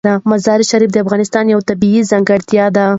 مزارشریف د افغانستان یوه طبیعي ځانګړتیا ده.